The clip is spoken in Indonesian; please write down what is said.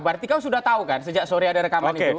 berarti kau sudah tahu kan sejak sore ada rekaman itu